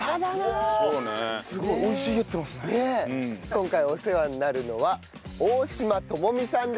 今回お世話になるのは大島知美さんです。